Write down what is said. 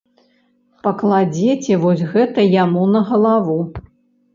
Пакладзеце вось гэта яму на галаву.